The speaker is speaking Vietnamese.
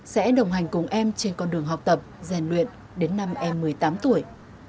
sẽ đồng hành cùng em trên con đường học tập rèn luyện đến năm em một mươi tám tuổi